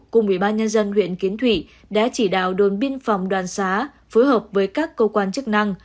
cùng ubnd huyện kiến thủy đã chỉ đạo đồn biên phòng đoàn xá phối hợp với các cơ quan chức năng